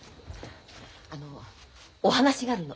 あのお話があるの。